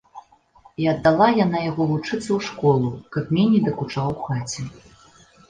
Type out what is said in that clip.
І аддала яна яго вучыцца ў школу, каб меней дакучаў у хаце.